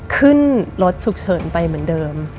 ขึ้นรถฉุกเฉินไปเหมือนเดิม